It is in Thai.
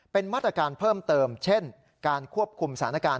เป็นมาตรการเพิ่มเติมเช่นการควบคุมสถานการณ์